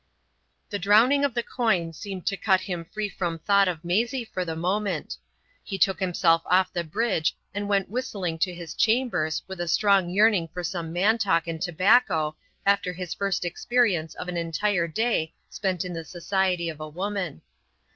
The drowning of the coin seemed to cut him free from thought of Maisie for the moment. He took himself off the bridge and went whistling to his chambers with a strong yearning for some man talk and tobacco after his first experience of an entire day spent in the society of a woman.